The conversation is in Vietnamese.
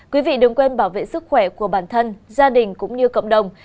quý vị đừng quên bảo vệ sức khỏe của bản thân gia đình cũng như cộng đồng